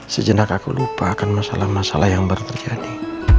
sejenak aku lupakan masalah masalah yang baru terjadi